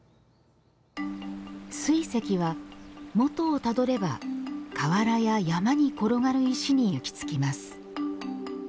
水石は、もとをたどれば河原や山に転がる石に行き着きます。